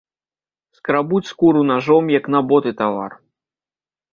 Скрабуць скуру нажом, як на боты тавар.